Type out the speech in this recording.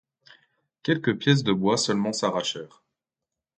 Quelques pièces de bois seulement s’arrachèrent.